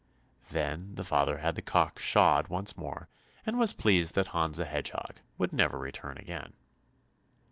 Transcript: Then the father had the cock shod once more, and was pleased that Hans the Hedgehog would never return again.